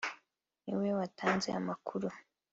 ni we watanze amakuru